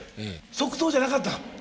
即答じゃなかったの？